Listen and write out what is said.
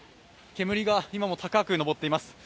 煙が今も高く上っています。